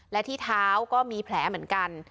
และที่เท้าก็มีแผลเหมือนกัน